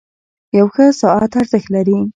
• یو ښه ساعت ارزښت لري.